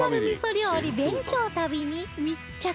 料理勉強旅に密着